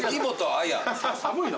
寒いの。